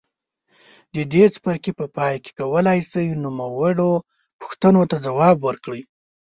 د دې څپرکي په پای کې کولای شئ نوموړو پوښتنو ته ځواب ورکړئ.